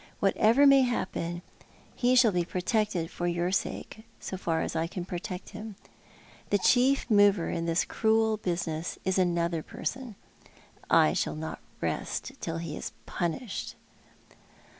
Whatever may happen, he shall be protected for your sake, so far as I can i^rotect him. The chief mover in this cruel business is another person. I shall not rest till he is punished."